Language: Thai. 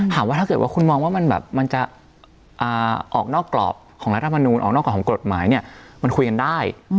ถ้าเกิดว่าคุณมองว่ามันแบบมันจะออกนอกกรอบของรัฐมนูลออกนอกกรอบของกฎหมายเนี่ยมันคุยกันได้